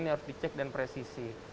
ini harus dicek dan presisi